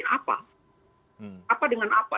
apa apa dengan apa